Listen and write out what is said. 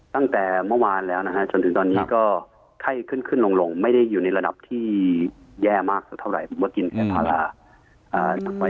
ตั้งแต่เมื่อวานแล้วนะฮะจนถึงตอนนี้ก็ไข้ขึ้นขึ้นลงไม่ได้อยู่ในระดับที่แย่มากเท่าไหร่ผมว่ากินแค่ภาระ